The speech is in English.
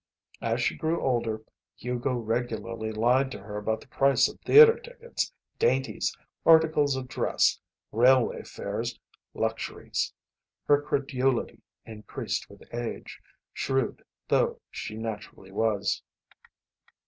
As she grew older Hugo regularly lied to her about the price of theatre tickets, dainties, articles of dress, railway fares, luxuries. Her credulity increased with age, shrewd though she naturally was.